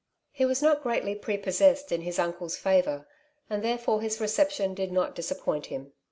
He was not greatly prepossessed in his uncle's favour, and therefore his reception did not disappoint him.